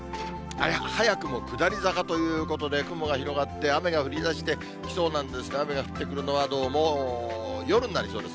早くも下り坂ということで、雲が広がって、雨が降りだしてきそうなんですが、雨が降ってくるのはどうも夜になりそうです。